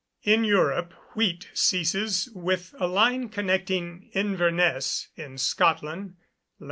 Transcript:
In Europe, wheat ceases with a line connecting Inverness in Scotland, lat.